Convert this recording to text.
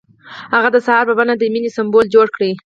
هغه د سهار په بڼه د مینې سمبول جوړ کړ.